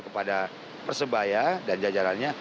kepada persebaya dan jajarannya